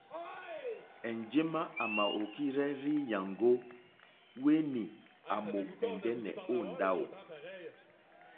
Enjema à mà okirzɛ rzii nyàŋgo wèni à mò ɛ̀ndɛ̀nɛ̀ o ndawò.